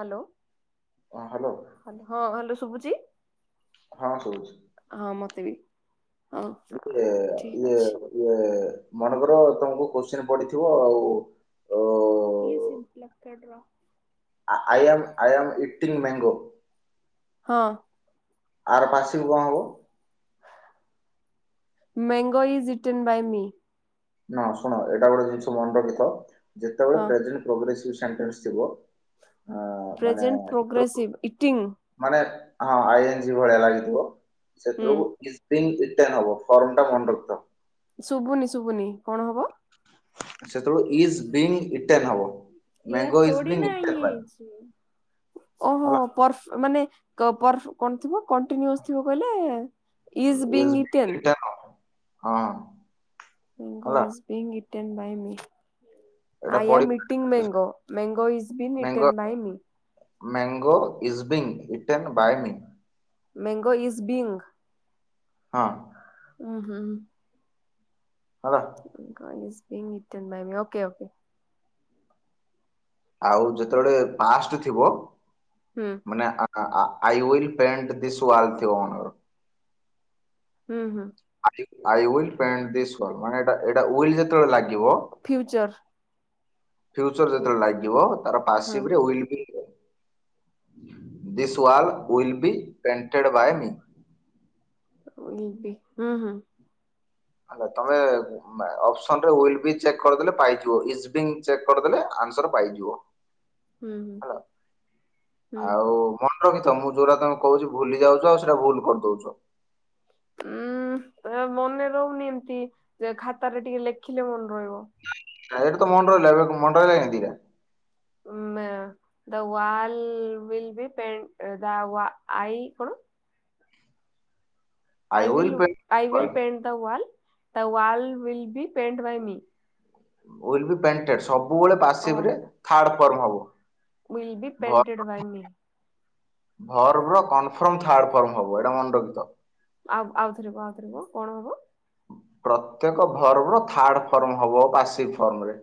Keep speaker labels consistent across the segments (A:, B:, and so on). A: Hello
B: ଅ hello
A: ହଁ hello ଶୁଭୁଚି?
B: ହଁ ଶୁଭୁଚି।
A: ହଁ ମତେ ବି। ହଉ
B: ଇଏ
A: ଠିକ
B: ଇଏ
A: ଅଛି।
B: ଇଏ ମନେକର ତମକୁ କୋଶ୍ଚିନ୍ ପଡିଥିବ ଆଉ ଓ
A: [unintelligible]
B: ଆ I am I am eating mango.
A: ହଁ।
B: ଆର ପାଶିବ୍ ରୁ କଣ ହବ?
A: Mango is eaten by me.
B: ନା ଶୁଣ ଏଇଟା ଗୋଟେ ଜିନିଷ ମନେ ରଖିଥିବ ଯେତେବେଳେ
A: ହଁ
B: ପ୍ରେଜେଣ୍ଟ ପ୍ରୋଗ୍ରେସିଭ୍ ସେଣ୍ଟେନ୍ସ ଥିବ ଆଁ ମାନେ
A: ପ୍ରେଜେଣ୍ଟ
B: ସେଥିରୁ-
A: ପ୍ରୋଗ୍ରେସିଭ୍ ଇଟିଂ।
B: ମାନେ ହଁ ଆଇ ଏନଜି ଭଳିଆ ଲାଗିଥିବ,
A: ହୁଁ
B: ସେଥିରୁ ଇଜ୍ ବିଙ୍ଗ ଇଟେନ୍ ହବ। ଫର୍ମ ଟା ମନେ ରଖିଥାଅ।
A: ଶୁବୁନି ଶୁବିନି କଣ ହବ?
B: ସେତେବେଳକୁ ଇଜ୍ ବିନ୍ ଇଟେନ୍ ହବ।
A: ଏୟା
B: ମ୍ୟାଙ୍ଗୋ ଇଜ୍
A: ଥୋଡି
B: ବିଙ୍ଗ
A: ନା
B: ଇଟେନ୍
A: ଇଏ
B: ବାଇ
A: ହେଇଚି।
B: ହେଲା।
A: ଓହୋ ପର୍ଫ ମାନେ ପର୍ଫ କଣ ଥିବ କଣ୍ଟିନ୍ୟୁଅସ୍ ଥିବ କହିଲେ
B: ଇଜ୍
A: ବିଙ୍ଗ୍ ଇଟେନ୍
B: [unintelligible] ହଁ।
A: ମ୍ୟାଙ୍ଗୋ
B: ହେଲା
A: is being eaten by me.
B: ଏଇଟା
A: ଆଇ
B: ପଡି
A: am eating mango. Mango is been
B: mango
A: beaten by me.
B: Mango is being eaten by me.
A: Mango is being.
B: ହଁ।
A: ଉଁ ହୁଁ।
B: ହେଲା।
A: Mango is been eaten by me. Okay okay.
B: ଆଉ ଯେତେବେଳେ past ଥିବ
A: ହୁଁ
B: ମାନେ ଆ ଆ I will paint this wall ଥିବ ମନେକର
A: ହୁଁ ହୁଁ।
B: I will paint this wall. ଏଇଟା ୱିଇଲ୍ ଯେତେବେଳେ ଲାଗିବ
A: ଫ୍ୟୁଉଚର୍।
B: ଫିଉଚର ଯେତେବେଳେ ଲାଗିବ ତାର passive will be this wall will be painted by me.
A: Will ବି ହୁଁ-ହୁଁ।
B: ହାଲୋ ତମେ ନାଁ ଅପ୍ ସନରେ ଉଇଲ୍ ବି ଚେକ୍ କରିଦେଲେ ଆନ୍ ସାର ପାଇଯିବ। ହେଲା ଆଉ ମ ରଖି ମୁଁ ଯୋଉଟା ତମେ କହୁଛି ଭୁଲି ଯାଉଛ ଆଉ ସେଇଟା ଭୁଲ କରିଦଉଚ।
A: ଉଁ ମନେ ରହୁନି ଏମିତି ଯେ ଖାତାରେ ଟିକେ ଲେଖିଲେ ମନେ ରହିବ।
B: ଏଇଠି ମନ ରହିଲା [unintelligible]
A: ଉଁ May the wall will be ପେ ଦା ଆଇ କଣ?
B: I will
A: I will I will
B: paint
A: pain the wall ତା wall paint by me.
B: Will be painted ସବୁ ବେଳେ ପାଶିବିରେ ଥାଡ଼ ଫର୍ମ ହବ।
A: Will be painted by me.
B: Verb ର କନ୍ ଫର୍ମ ଥାର୍ଡ଼ ଫର୍ମ ହବ ଏଇଟା ମନେ ରଖିଥାଅ।
A: ଆଉ ଆଉଥରେକୁହ ଆଉଥରେକୁହ କଣ ହବ?
B: ପ୍ରତ୍ୟେକ ଭର୍ବ ର ଥାର୍ଡ ଫର୍ମ ହବ ପାସିକ୍ ଫର୍ମରେ।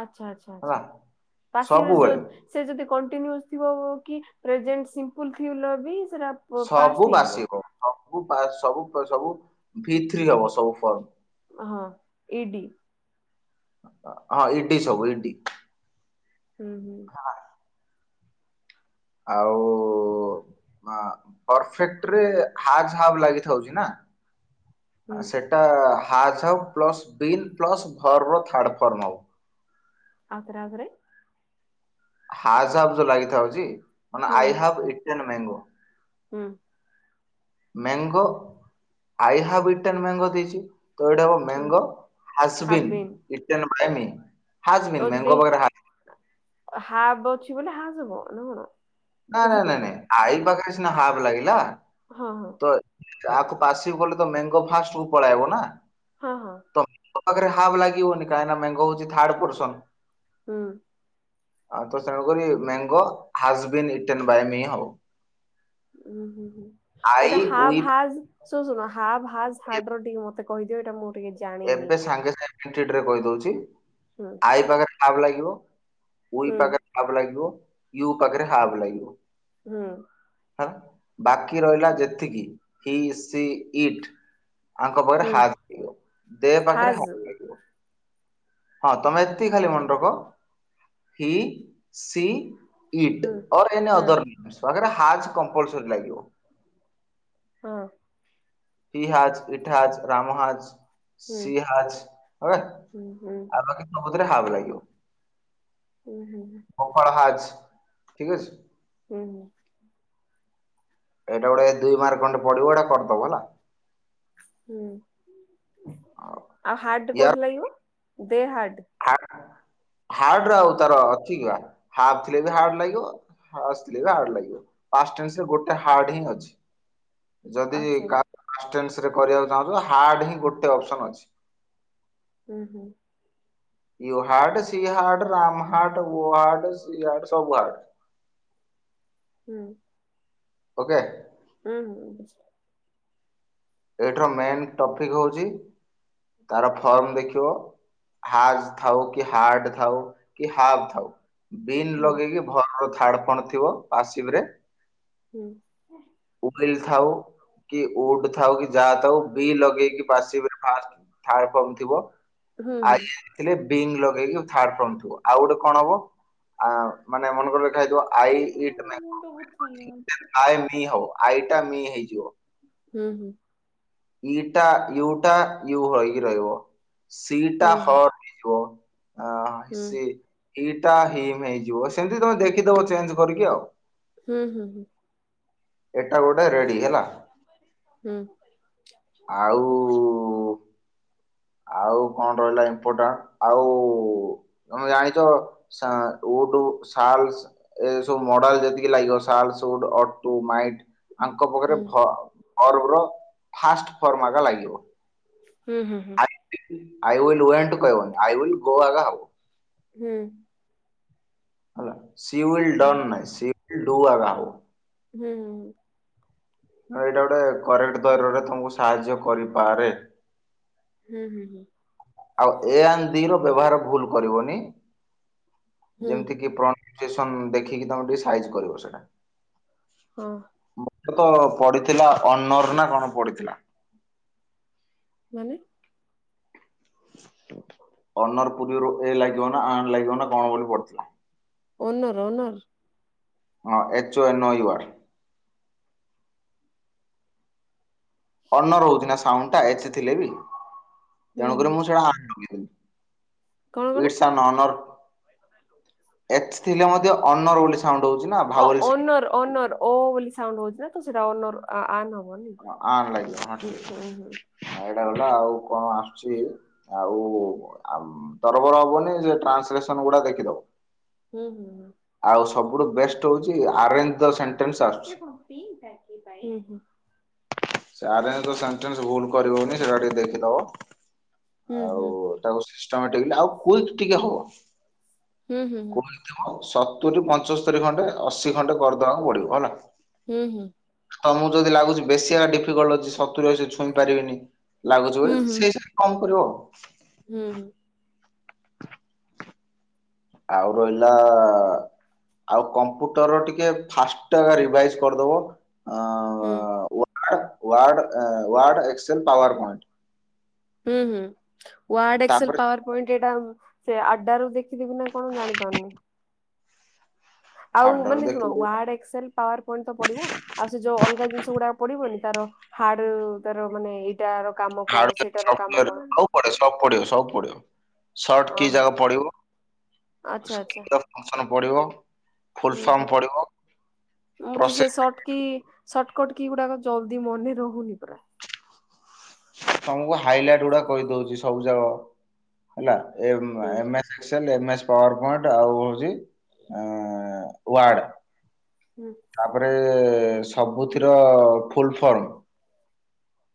A: ଆଚ୍ଛା ଆଚ୍ଛା ଆଚ୍ଛା ପାସିବ୍ ରେ ଯୋଉ
B: ସବୁବେଳେ
A: ସେ ଯଦି କଣ୍ଟିନ୍ୟୁସ ଥିବ କି ପ୍ରେଜେଣ୍ଟ ସିମ୍ପଲ୍ ଥିଲେ ବି ସେଟା ପାଷ୍ଟ
B: ସବୁ
A: ହେଇଯିବ
B: ବାସିବ ସବୁ ସବୁ ସବୁ ଭିତ୍ରୀ ହବ ସବୁ ଫର୍ମ।
A: ହଁ ଇଡି?
B: ହଁ ଇଡି ସବୁ ଇଡି।
A: ହୁଁ-ହୁଁ
B: ଆ ଆଉ ପର୍‌ଫେକ୍ଟ ରେ ହାଜ ହାବ ଲାଗିଥାଉଛି ନା
A: ହୁଁ
B: ସେ ଟା has plus been plus verb third form ହବ।
A: ଆଉଥରେ ଆଉଥରେ।
B: ହାଜ୍ ହାବ୍ ଲାଗିଥାଉଛି ମାନେ
A: ହୁଁ
B: ଆଇହାବ୍ ଇଟେନ୍ ମ୍ୟାଙ୍ଗ।
A: ହୁଁ।
B: Mango I have eaten mango ଦେଇଛି ତ ଏଇଟା ହବ
A: ହୁଁ
B: mango has been
A: have been
B: eaten by me has
A: ଆଉ
B: ବିନ୍
A: ଯଦି
B: ମେଙ୍ଗୋ ପାଖରେ ହା
A: ହାବ୍ ଅଛି ବୋଲି ହାଜ୍‌ ହବ ନା କଣ?
B: ନା ନା ନାଇଁ ନାଇଁ
A: ବୁଝିପାରିଲିନି
B: ଆଇ ପାଖରେ ସିନା ହାବ୍ ଲାଗିଲା।
A: ହଁ-ହଁ।
B: ତ କାହାକୁ ପାସିବି କଲେ ତ ମେଙ୍ଗୋ ଫାଷ୍ଟ କୁ ପଳେଇ ଆସିବ ନା।
A: ହଁ-ହଁ।
B: ତ ପାଖରେ ହାବ୍ ଲାଗିବନି କାହିଁକି ନା ମ୍ୟାଙ୍ଗୋ ହଉଚି ଥାର୍ଡ ପୁରୁଷ।
A: ହୁଁ।
B: ଆ ତ ତେଣୁକରି mango has be eaten by me ହବ।
A: ଉ ହୁଁ ହୁଁ
B: ଆଇ
A: ଏଇଟା
B: ଉଇ
A: ହାଭ୍ ହାଜ୍‌ ଶୁ ଶୁନ ହାଭ୍ ହାଜ୍‌ ହାଡ୍‌ ର ଟିକେ ମତେ କହିଦେ ଏଟା ମୁଁ ଟିକେ ଜାଣିନି
B: ଏବେ ସାଙ୍ଗେ ସାଙ୍ଗେ [unintelligible] କହିଦଉଚି।
A: ହୁଁ।
B: ଆଇ ପାଖରେ ହାବ୍‌ ଲାଗିବ ଉଇ
A: ହୁଁ
B: ପାଖରେ ହାବ୍ ଲାଗିବ ୟୁ ପାଖରେ ହାବ୍‌ ଲାଗିବ।
A: ହୁଁ।
B: ବାକି ରହିଲା ଯେତିକି ହି, ସି, ଇଟ୍ ଆଙ୍କ ପାଖରେ
A: ହୁଁ
B: ହା ଦେହ ପାଖରେ
A: ହାଜ୍
B: ହା ହଁ ତମେ ଏତିକି ଖାଲି ମନେ ରଖ ହି, ସି
A: ହୁଁ ହଁ
B: [unintelligible]
A: ହଁ।
B: He has, eat has, Ram has
A: ହୁଁ ହୁଁ ହୁଁ
B: [unintelligible]
A: ହୁଁ ହୁଁ
B: [unintelligible]
A: ହୁଁ ହୁଁ।
B: ଏଇଟା ଗୋଟେ ଦୁଇ ମାର୍କ ଖଣ୍ଡେ ପଡିବ ଏଇଟା କରିଦବ ହେଲା।
A: ହୁଁ ଆଉ ହାର୍ଡ କୋଉଠି ଲାଗିବ ଦେ ହାର୍ଡ?
B: ହା ହାର୍ଡ ରେ ଆଉ ତାର ଅଛି ହାବ୍ ଥିଲେ ବି ହାର୍ଡ ଲାଗିବ ହାସ ଥିଲେ ବି ହାର୍ଡ ଲାଗିବ। ପାସ୍ ଟେନ୍ସ ରେ ଗୋଟେ ହାର୍ଡ ହିଁ ଅଛି। ଯଦି
A: ଆଚ୍ଛା ଆଚ୍ଛା।
B: କା ଫାଷ୍ଟ୍ ସେନ୍ସ୍ ରେ କରିବାକୁ ଚାହୁଁଛ ହାର୍ଡ ହିଁ ଗୋଟେ ଅପସନ ଅଛି।
A: ହୁଁ ହୁଁ।
B: [unintelligible]
A: ହୁଁ।
B: ଓକେ।
A: ହୁଁ ହୁଁ।
B: ଏଇଠର ମେନ୍ ଟପିକ୍ ହଉଛି ତାର ଫର୍ମ ଦେଖିବ। ହାଜ୍ ଥାଉ କି ହାର୍ଡ ଥାଉ କି ହାବ୍ ଥାଉ। ବିନ୍
A: ବୁଝିଲି
B: ଲଗେଇକି ଭର୍ବ ର ଥାର୍ଡ ଫଣ ଥିବ ପାସିବ୍ ରେ।
A: ହୁଁ
B: [unintelligible] ଆ ତାକୁ ବି ଲଗେଇକି ବାସିବ୍ ଫାଷ୍ଟ ରେ ଥାର୍ଡ ଫର୍ମ ଥିବ।
A: ହୁଁ ହୁଁ
B: ଥିଲେ ବିଙ୍ଗ ଲଗେଇକି ଥାର୍ଡ ଫର୍ମ ଥିବ ଆଉ ଗୋଟେ କଣ ହବ‌ ଆ ମାନେ ମନେଙ୍କର ଦେଖା ହେଇଥିବ ଆଇ ଇଟ୍ ଆଏ ମି ହବ ଆଇଟା ମି ହେଇଯିବ।
A: ହୁଁ ହୁଁ।
B: ଇ ଟା ୟୁଟା ୟୁ ହୋଇକି ରହିବ। ସି ଟା
A: ହୁଁ
B: ହର ହେଇଯିବ। ଅ
A: ହୁଁ
B: ସେ ଇଟା ହିମ୍ ହେଇଯିବ ସେମିତି ତମେ ଦେଖିଦବ ଚେଞ୍ଜ କରିକି ଆଉ।
A: ହୁଁ ହୁଁ ହୁଁ।
B: ଏଟା ଗୋଟେ ରେଡ଼ି।
A: ହୁଁ।
B: ଆଉ ଆଉ କଣ ରହିଲା ଇମ୍ପୋର୍ଟାଣ୍ଟ, ଆଉ ତମେ ଜାଣିଛ ସା ଉଡୁ ଶାଲ୍ସ ଏ ସବୁ ମଡାଲ ଯେତିକି ଲାଗିବ ଶାଲ ସୁଡ୍ ଅଟୁ ମାଇଟ୍ ଆଙ୍କ
A: ହୁଁ
B: ପାଖରେ ଭ
A: ହୁଁ
B: ଭର୍ବ୍ ର ଫାଷ୍ଟ ଫର୍ମ ଆଗ ଲାଗିବ।
A: ହୁଁ ହୁଁ।
B: ଆଇ ଉଇଲ୍ ୱେଣ୍ଟ କହିବନି ଆଇ ଉଇଲ୍ ଗୋ ଆଗ ହବ।
A: ହୁଁ।
B: ହେଲା। ସି ୟୁ ୱିଲ ଡନ୍ ନାଇ ସି-ୱିଲ୍ ଡୁ ଆରାଓ।
A: ହୁଁ ହୁଁଁ।
B: ଏଇଟା ଗୋଟେ କରେକ୍ଟ ଦରରେ ତମକୁ ସାହାଯ୍ୟ କରିପାରେ।
A: ହୁଁ ହୁଁ ହୁଁ।
B: ଆଉ ଏ ଆନ ଦି ର ବ୍ୟବହାର ଭୁଲ କରିବନି
A: ହୁଁ
B: ଯେମିତି କି ପ୍ର [unintelligible] ଚୁଏସନ ଦେଖିକି ତମେ ଟିକେ ସାଇଜି କରିବ ସେଟା।
A: ହଁ।
B: ମୁଖ୍ୟତ ପଡିଥିଲା ଅନର୍ ନା କଣ ପଢିଥିଲା।
A: ମାନେ?
B: ଅନର ପୂର୍ବରୁ [unintelligible] ଏ ଲାଗିବ ନା ଆନ ଲାଗିବ ନା କଣ ବୋଲି ପଡିଥିଲା।
A: Owner owner?
B: ହଁ H O N O U R. Honour ହୋଉଚି ନା ସାଉଣ୍ଡଟା ଏଚ୍ ଥିଲେ ବି
A: ହୁଁ
B: ତେଣୁ କରି
A: ହୁଁ
B: ମୁଁ ସେଟା ଆନ ଲଗେଇଦେଲି।
A: କଣ କଣ?
B: ଇଡିସ୍ ଆନ୍ ଅନର୍ ଏଚ୍ ଥିଲେ ମଧ୍ୟ ଅନର ବୋଲି ସାଉଣ୍ଡ ହୋଉଚି
A: ହଁ ଓନର୍ ଓନର୍ ଓ ବୋଲି ସାଉଣ୍ଡ ହୋଉଚି ନା ତ ସେଇଟା ଅନର ଆ-ଆନ ହବନି ହୁଁ ହୁଁ।
B: ଏଟା ଗଲା ଆଉ କଣ ଆସୁଚି ଆଉ ଆମ୍ ତରବର ହବନି ସେ ଟ୍ରାନ୍ସଲେସନ ଗୁଡା ଦେଖିଦବ।
A: ହୁଁ ହୁଁ ହୁଁ।
B: ଆଉ ସବୁଠୁ ବେଷ୍ଟ ହୋଉଚି ଆରେ ଏନ ଦ ସେଣ୍ଟେନ୍ସ ଆ
A: ହୁଁ ହୁଁ।
B: ସେ ଆର୍ ଏନ ସେଣ୍ଟେନ୍ସ ଭୁଲ କରିବନି ସେଟା ଟିକେ ଦେଖିଦବ। ଆଉ ତାପରେ ସିଷ୍ଟମେଟିକି ଆଉ କ୍ୱିକ୍ ଟିକେ ହବ। ସତୁରି ପଞ୍ଚସ୍ତରୀ ଖଣ୍ଟେ ଅଶି ଖଣ୍ଟେ କରିଦବାକୁ ପଡିବ ହେଲା।
A: ହୁଁ।
B: ତମକୁ ଯଦି ଲାଗୁଚି ବେଶୀ ହେ ଡିଫିକଲ୍ଟ ଅଛି ସତୁରି ଅଶି ଛୁଇଁ ପାରିବେନି। ଲାଗୁଚି ବୋଲି ସେଇ ହିସାବରେ କଣ କରିବ?
A: ହୁଁ ହୁଁ।
B: ଆଉ ରହିଲାଆ ଆଉ କମ୍ପୁଟର ଟିକେ ଫାଷ୍ଟ ରିଭାଇଜ କରିଦବ। ଆଁ
A: ହୁଁ।
B: ହଁ ୱାର୍ଡ ୱାର୍ଡ ଏଁ ୱାର୍ଡ ଏକ୍ସେଲ ପାୱାର ପଏଣ୍ଟ
A: ହୁଁ ହୁଁ ୱାର୍ଡ ଏକ୍ସେଲ
B: ତାପରେ
A: ପାୱାର ପଏଣ୍ଟ ଏଇଟା ସେ ଆଡ୍ଡା ରୁ ଦେ ଯିବି ନା କଣ ଜାଣି ପାରୁନି? ଆଉ
B: ହାର୍ଡର
A: ମାନେ ଶୁଣ
B: ଦେଖିଲି
A: ୱାର୍ଡ ଏକ୍ସେଲ ପାୱାର ପଏଣ୍ଟ ତ ପଡିବ ଆଉ ସେ ଯୋଉ ଅଲଗା ଜିନିଷ ଗୁଡାକ ପଡିବନି ତାର ହାର୍ଡ ତାର ମାନେ ଇଏ
B: ହାର୍ଡ ସଫ୍ଟୁଆର ସବୁ ପଡିବ ସବୁ ପଡିବ ସବୁ ପଡିବ। ସର୍ଟ କି
A: ଅହଁ
B: ଜାକ ପଡିବ।
A: ଆଚ୍ଛା ଆଚ୍ଛା।
B: ତା ଫଙ୍କସନ୍ ପଡିବ। ଫୁଲ
A: ହୁଁ
B: ଫର୍ମ
A: ହୁଁ
B: ପଡିବ
A: ମୁଁ ତ ସେଇ
B: process
A: short key shortcut key ଗୁଡାକ ଜଲଦି ମନେ ରହୁନି ପରା।
B: ତମକୁ ହାଇଲାଇଟ୍ ଗୁଡା କହିଦୋଉଚି ସବୁ ଯାକ ହେଲା ଏ ମ୍
A: ହୁଁ
B: ଏ ମେ Excel M S PowerPoint ଆଉ ହୋଉଚି ୱାର୍ଡ।
A: ହୁଁ।
B: ତାପରେ ସବୁଥିର ଫୁଲ ଫର୍ମ।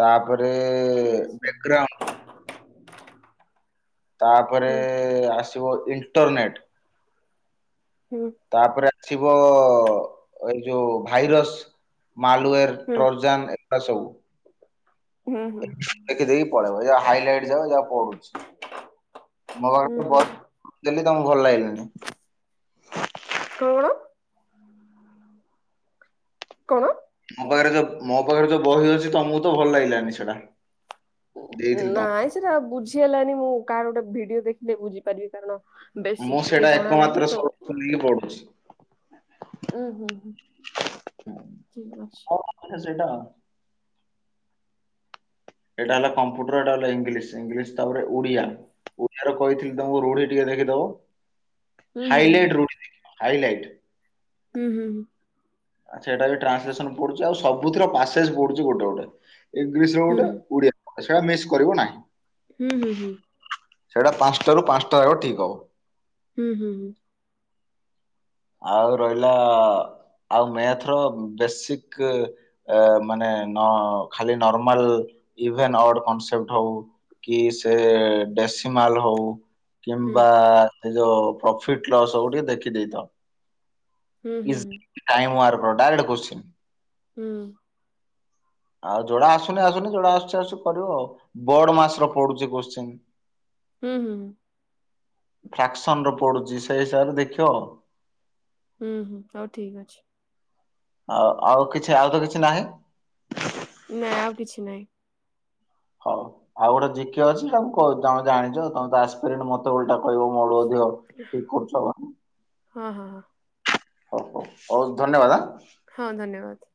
B: ତାପରେ
A: ହୁଁ
B: ବେଗ୍ରାଉଣ୍ଡ। ତାପରେ ଆସିବ ଇଣ୍ଟରନେଟ୍।
A: ହୁଁ।
B: ତାପରେ ଆସିବ ଏଇ ଯୋଉ ଭାଇରସ୍ ମାଲ୍ଉଏର।
A: ହୁଁ
B: ଟ୍ରରଜାମ ଏଗୁଡା ସବୁ।
A: ହୁଁ ହୁଁ
B: ଦେଖି ଦେଇକି ପଳେଇବ ଏ ଯା ହାଇଲାଇଟ୍ ଯାକ ଯା ପଡୁଚି।
A: ହୁଁ ହୁଁ
B: [unintelligible]
A: କଣ। କଣ।
B: ମୋ ପାଖେରେ ଯୋଉ ମୋ ପାଖେରେ ଯୋଉ ବହି ଅଛି ତମୁକୁ ତ ଭଲ ଲାଗିଲାନି ସେଇଟା। ଦେଇଥିଲି ତମକୁ
A: ନାଇଁ ସେରା ବୁଝି ହେଲାନି ମୁଁ କାହାର ଗୋଟେ ଭିଡିଓ ଦେଖିଲେ ବୁଝିପାରିବି କାରଣ। ବେସିକ୍ ଟିକେ ଜଣା ନାଇଁ ନ ତ ଉଁ।
B: କିଏ ପଢୁଛି।
A: ଉଁ ହୁଁ ହୁଁ ଠିକ୍ ଅଛି।
B: ଆଚ୍ଛା ସେଇଟା। ଏଇଟା ହେଲା କମ୍ପ୍ୟୁଟର ଏଇଟା ହେଲା ଇଂଲିଶି ଇଂଲିଶି ତାପରେ ଓଡିଆ
A: ହୁଁ
B: ଓ ଡିଆରୁ କହିଥିଲି ତମକୁ ରୁଢି ଟିକେ ଦେଖିଦବ
A: ହୁଁ
B: ହାଇଲାଇଟ୍ ରୁଢି ଦେଖିବ ହାଇଲାଇଟ୍।
A: ହୁଁ ହୁଁ ହୁଁ।
B: ଆଛା ଏଇଟା ବି ଟ୍ରାନ୍ସଲେସନ୍ ପଡୁଚି ଆଉ ସବୁଥିର ପାସେଜ ପଡୁଚି ଗୋଟେ ଗୋଟେ। ଇଂଲିଶର
A: ହୁଁ
B: ଗୋଟେ ଓଡିଆ ଗୋଟେ ସେଇଟା ମିସ୍ କରିବ ନାହିଁ।
A: ହୁଁ ହୁଁ ହୁଁ।
B: ସେଇଟା ପାଂଶଟାରୁ ପାଂଶଟା ଯାଗ ଠିକ୍ ହବ।
A: ହୁଁ ହୁଁ ହୁଁ।
B: ଆଉ ରହିଲା ଆଉ ମ୍ୟାଥର ବେସିକ୍। ଏ ମାନେ ନ ଖାଲି ନର୍ମାଲ ଇଭେନ୍ ଅଡ୍ କନସେପ୍ଟ ହଉ। କି ସେ ଡେସିମାଲ୍ ହଉ।
A: ହୁଁ
B: କିମ୍ବା ଏ ଯୋଉ ପ୍ରଫିଟ୍ ଲସ୍ ହଉ ଟିକେ ଦେଖିଦେଇ ଥବ।
A: ହୁଁ ହୁଁ ହୁଁ
B: ଇଜ୍
A: ହୁଁ।
B: ଟାଇମ୍ ୱାର୍କର ଡାଇରେକ୍ଟ କୋଶ୍ଚିନ୍।
A: ହୁଁ।
B: ଆଉ ଯୋଉଡା ଆସୁନି ଆସୁଚି ଯୋଉଡା ଆସୁଚି ଆସୁଚି କରିବ ଆଉ ବୋର୍ଡ ମାସର ପଡୁଚି କୋଶ୍ଚିନ୍।
A: ହୁଁ ହୁଁଁ ହୁଁ।
B: ଫ୍ରାକ୍ସନର ପଡୁଚି ସେଇ ହିସାବରେ ଦେଖିବ।
A: ହୁଁ ହୁଁ ହଉ ଠିକ୍ ଅଛି।
B: ଆଉ ଆଉ କିଛି ଆଉ ତ କିଛି ନାହିଁ।
A: ନା ଆଉ କିଛି ନାଇଁ।
B: ହଉ। ଆଉ ଗୋଟେ ଜିକେ ଅଛି ତାକୁ କ ଜା ଜାଣିଚ ତମେ ତ ଆସିପାରିବନି ମତେ ଓଲଟା କହିବ ମୋ ଠୁ ଅଧିକ। ଠିକ୍ କରୁଚ।
A: ହଁ ହଁ ହଁ।
B: ହଉ ହଉ ହଉ ଧନ୍ୟବାଦ୍ ଆଁ।
A: ହଁ ଧନ୍ୟବାଦ୍।